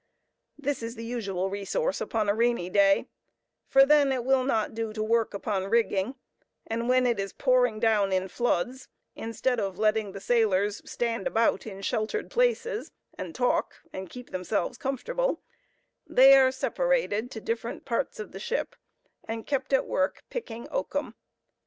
This is the usual resource upon a rainy day, for then it will not do to work upon rigging; and when it is pouring down in floods, instead of letting the sailors stand about in sheltered places, and talk, and keep themselves comfortable, they are separated to different parts of the ship and kept at work picking oakum.